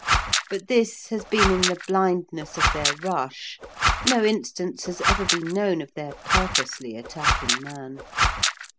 But this has been in the blindness of their rush; no instance has ever been known of their purposely attacking man.